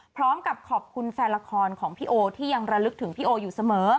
พร้อมกับขอบคุณแฟนละครของพี่โอที่ยังระลึกถึงพี่โออยู่เสมอ